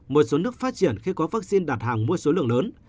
một số nước phát triển khi có vắc xin đặt hàng mua số lượng lớn